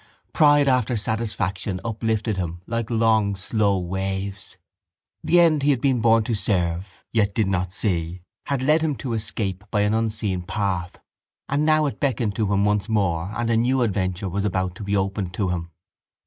Pride after satisfaction uplifted him like long slow waves. The end he had been born to serve yet did not see had led him to escape by an unseen path and now it beckoned to him once more and a new adventure was about to be opened to him.